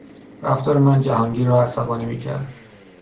رفتار من جهانگیر را عصبانی میکرد.